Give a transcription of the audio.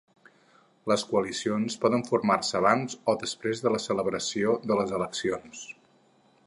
Les coalicions poden formar-se abans o després de la celebració de les eleccions.